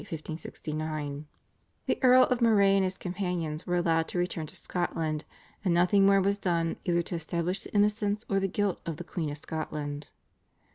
1569). The Earl of Moray and his companions were allowed to return to Scotland, and nothing more was done either to establish the innocence or the guilt of the Queen of Scotland.